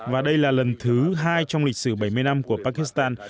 và đây là lần thứ hai trong lịch sử bảy mươi năm của pakistan